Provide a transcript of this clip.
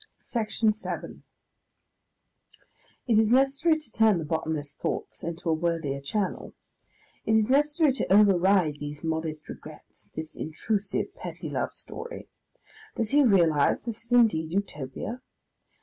Section 7 It is necessary to turn the botanist's thoughts into a worthier channel. It is necessary to override these modest regrets, this intrusive, petty love story. Does he realise this is indeed Utopia?